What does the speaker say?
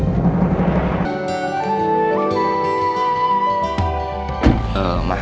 tidak ada yang bisa diberitahu